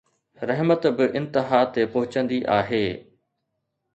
رحمت به انتها تي پهچندي آهي